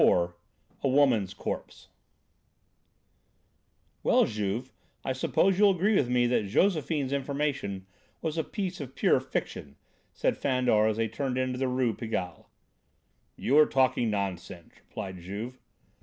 IV A WOMAN'S CORPSE "Well, Juve, I suppose you'll agree with me that Josephine's information was a piece of pure fiction," said Fandor as they turned into the Rue Pigalle. "You are talking nonsense," replied Juve.